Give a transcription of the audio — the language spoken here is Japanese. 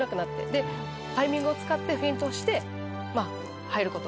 でタイミングを使ってフェイントをしてまあ入る事ができたので。